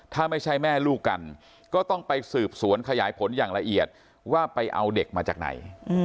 ถ้าไม่ใช่แม่ลูกกันก็ต้องไปสืบสวนขยายผลอย่างละเอียดว่าไปเอาเด็กมาจากไหน